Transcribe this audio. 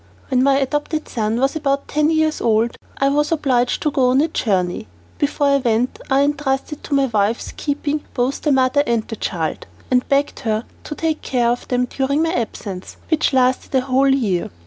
When my adopted son was about ten years old I was obliged to go on a journey. Before I went I entrusted to my wife's keeping both the mother and child, and begged her to take care of them during my absence, which lasted a whole year.